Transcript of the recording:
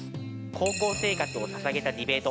高校生活を捧げたディベート。